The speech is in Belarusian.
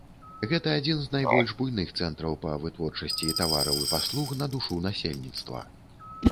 Гэта адзін з найбольш буйных цэнтраў па вытворчасці тавараў і паслуг на душу насельніцтва.